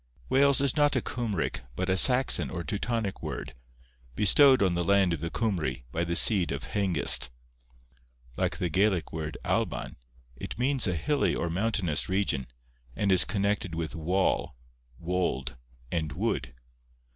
Wales is not a Cymric but a Saxon or Teutonic word, bestowed on the land of the Cymry by the seed of Hengist. Like the Gaelic word Alban, it means a hilly or mountainous region, and is connected with wall, wold, and wood.